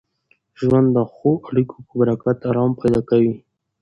ژوند د ښو اړیکو په برکت ارام پیدا کوي.